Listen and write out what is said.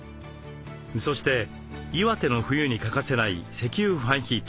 そして岩手の冬に欠かせない石油ファンヒーター。